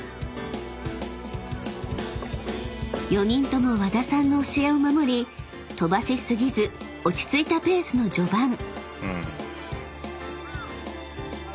［４人とも和田さんの教えを守り飛ばし過ぎず落ち着いたペースの序盤］